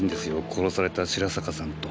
殺された白坂さんと。